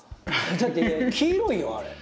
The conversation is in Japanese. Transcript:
だって黄色いよあれ。